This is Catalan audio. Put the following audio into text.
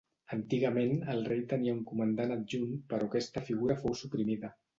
Antigament el rei tenia un comandant adjunt però aquesta figura fou suprimida.